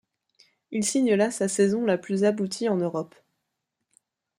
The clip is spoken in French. Il signe là sa saison la plus aboutie en Europe.